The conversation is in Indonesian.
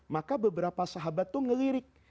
maka beberapa sahabat itu ngelirik